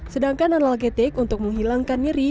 sedangkan analgetik untuk menghilangkan nyeri